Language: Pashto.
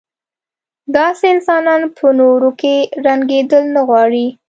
داسې انسانان په نورو کې رنګېدل نه غواړي.